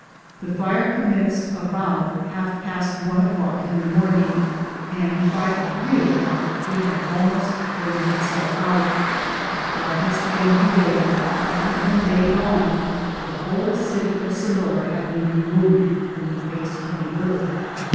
The fire commenced about half past one o'clock in the morning, and by three o'clock it had almost burned itself out. Darkness again prevailed, and when day dawned, the whole city of Sonora had been removed from the face of the earth.